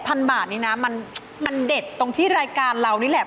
พันบาทนี้นะมันเด็ดตรงที่รายการเรานี่แหละ